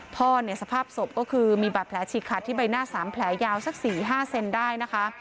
พ่อเนี่ยสภาพศพก็คือมีบาดแผลฉีกขาดที่ใบหน้า๓แผลยาวสัก๔๕เซนได้นะคะ